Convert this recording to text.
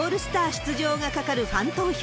出場がかかるファン投票。